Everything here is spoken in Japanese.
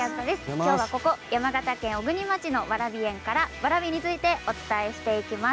今日はここ山形県小国町のわらび園からわらびについてお伝えしていきます。